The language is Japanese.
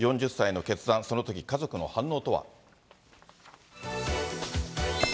４０歳の決断、そのとき、家族の反応とは。